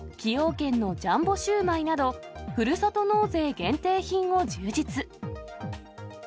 軒のジャンボシウマイなど、ふるさと納税限定品を充実。